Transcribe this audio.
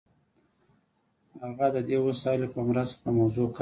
هغه د دې وسایلو په مرسته په موضوع کار کوي.